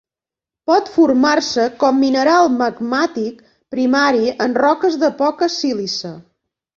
Pot formar-se com mineral magmàtic primari en roques de poca sílice.